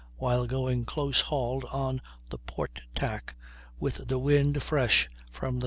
while going close hauled on the port tack, with the wind fresh from the S.